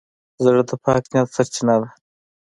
زړه د پاک نیت سرچینه ده.